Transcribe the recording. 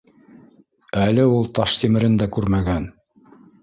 Әле ул Таштимерен дә күрмәгән